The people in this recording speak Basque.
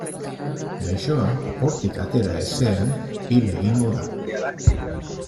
Gaixoa hortik atera ezean, hil egingo da.